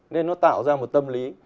nên nó tạo ra một tâm lý